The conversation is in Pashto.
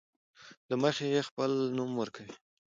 له مخې خپل نوم ورکوي.